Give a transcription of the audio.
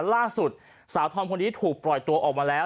ล่าสุดสาวธอมคนนี้ถูกปล่อยตัวออกมาแล้ว